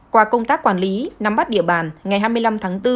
qua công tác quản lý nắm bắt địa bàn ngày hai mươi năm tháng bốn